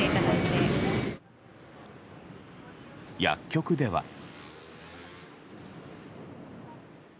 薬局では。